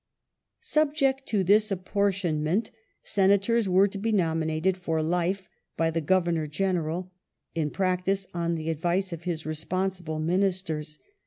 Subject to this apportionment. Senators were to be nominated for life by the Governor General — in practice on the advice of his responsible Ministers.